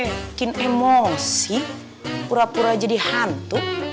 bikin emosi pura pura jadi hantu